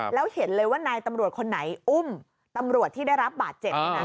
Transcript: แล้วเห็นเลยว่านายตำรวจคนไหนอุ้มตำรวจที่ได้รับบาดเจ็บ